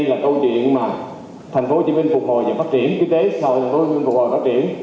sau thành phố hồ chí minh phục hồi và phát triển